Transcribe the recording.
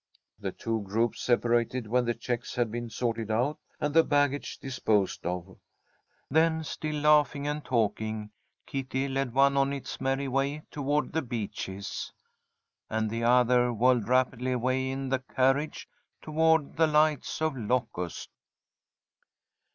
The two groups separated when the checks had been sorted out and the baggage disposed of. Then, still laughing and talking, Kitty led one on its merry way toward The Beeches, and the other whirled rapidly away in the carriage toward the lights of Locust.